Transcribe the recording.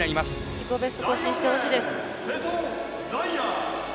自己ベスト更新してほしいです。